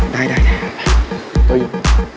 ได้ดูอยู่